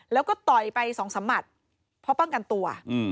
แล้วก็ต่อยไปสองสามหมัดเพราะป้องกันตัว